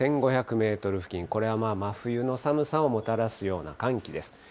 １５００メートル付近、これは真冬の寒さをもたらすような寒気です。